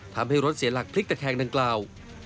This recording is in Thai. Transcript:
ทำให้รถเสียหลักพลิกตะแคงดังกล่าว